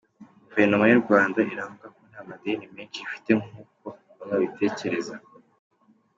Guverinoma y’u Rwanda iravuga ko nta madeni menshi ifite nkuko bamwe babitekereza.